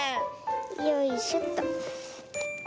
よいしょっと。